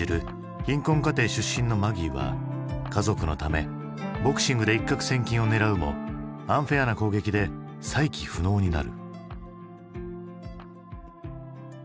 貧困家庭の出身のマギーは家族のためボクシングで一獲千金を狙うもアンフェアな攻撃で再起不能になる。